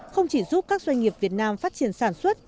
không chỉ giúp các doanh nghiệp việt nam phát triển sản xuất